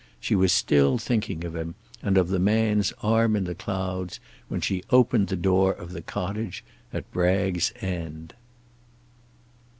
She was still thinking of him, and of the man's arm in the clouds, when she opened the door of the cottage at Bragg's End.